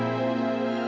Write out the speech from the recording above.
aku mau pergi